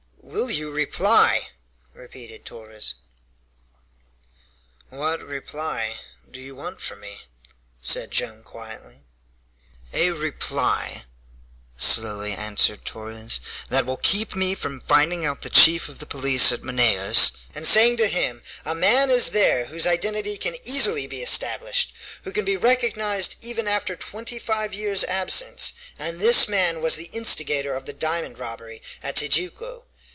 "Will you reply?" repeated Torres. "What reply do you want from me?" said Joam quietly. "A reply," slowly answered Torres, "that will keep me from finding out the chief of the police at Manaos, and saying to him, 'A man is there whose identity can easily be established, who can be recognized even after twenty five years' absence, and this man was the instigator of the diamond robbery at Tijuco.